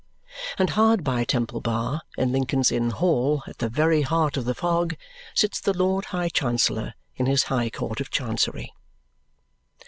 And hard by Temple Bar, in Lincoln's Inn Hall, at the very heart of the fog, sits the Lord High Chancellor in his High Court of Chancery.